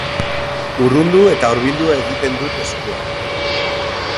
Urrundu eta hurbildu egiten dut eskua.